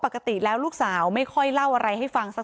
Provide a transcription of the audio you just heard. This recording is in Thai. เพราะไม่เคยถามลูกสาวนะว่าไปทำธุรกิจแบบไหนอะไรยังไง